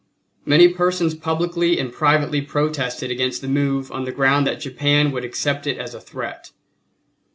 Many persons publicly and privately protested against the move on the ground that Japan would accept it as a threat.